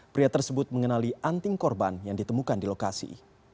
pria tersebut mengenali anting korban yang ditemukan di lokasi